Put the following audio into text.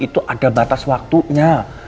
itu ada batas waktunya